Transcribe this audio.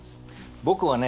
僕はね